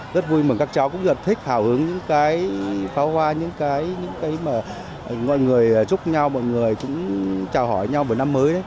rất vui mừng các cháu cũng rất thích hào hứng những cái pháo hoa những cái những cái mà mọi người chúc nhau mọi người cũng chào hỏi nhau về năm mới